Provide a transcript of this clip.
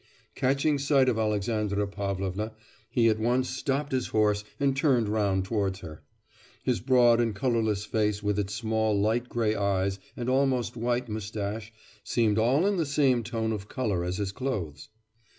Catching sight of Alexandra Pavlovna he at once stopped his horse and turned round towards her. His broad and colourless face with its small light grey eyes and almost white moustache seemed all in the same tone of colour as his clothes.